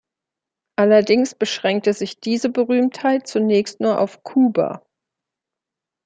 Allerdings beschränkte sich diese Berühmtheit zunächst nur auf Kuba.